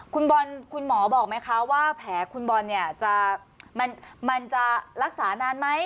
คุณบอลคุณหมอบอกไหมคะว่าแผลคุณบอลเนี่ยมันจะรักษานานไหม